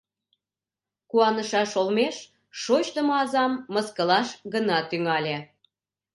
Куанышаш олмеш шочдымо азам мыскылаш гына тӱҥале: